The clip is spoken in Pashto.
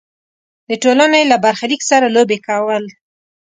د ټولنې له برخلیک سره لوبې کول.